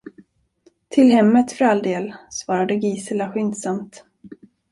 Till hemmet, för all del, svarade Gisela skyndsamt.